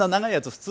普通